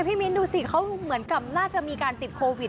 มิ้นดูสิเขาเหมือนกับน่าจะมีการติดโควิด